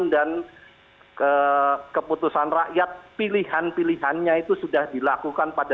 dan keputusan rakyat pilihan pilihannya itu sudah dilakukan pada dua ribu sembilan belas